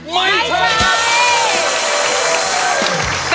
ไม่ใช่